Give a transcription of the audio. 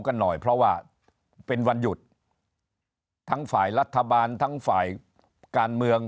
กันหน่อยเพราะว่าเป็นวันหยุดทั้งฝ่ายรัฐบาลทั้งฝ่ายการเมือง